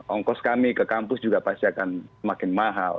ongkos kami ke kampus juga pasti akan semakin mahal